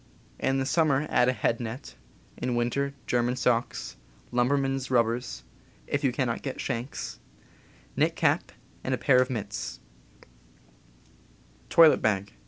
In summer add a head net; in winter, German socks, lumber man's rubbers (if you cannot get shanks), knit cap, and a pair of mitts. Toilet Bag.